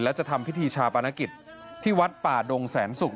และจะทำพิธีชาปนกิจที่วัดป่าดงแสนศุกร์